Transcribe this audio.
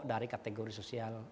dari kategori sosial